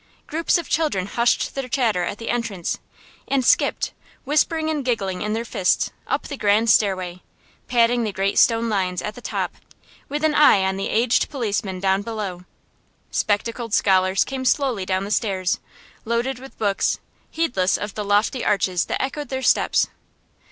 Groups of children hushed their chatter at the entrance, and skipped, whispering and giggling in their fists, up the grand stairway, patting the great stone lions at the top, with an eye on the aged policemen down below. Spectacled scholars came slowly down the stairs, loaded with books, heedless of the lofty arches that echoed their steps.